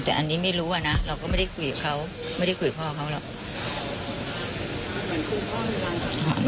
แต่อันนี้ไม่รู้นะเราก็ไม่ได้คุยกับเขาไม่ได้คุยกับพ่อเขาหรอก